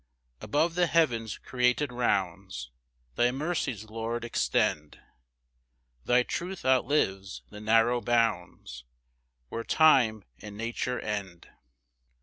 5 Above the heavens' created rounds, Thy mercies, Lord, extend; Thy truth outlives the narrow bounds, Where time and nature end.